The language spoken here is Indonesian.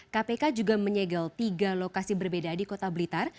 kpk juga menyegel tiga lokasi berbeda di kota blitar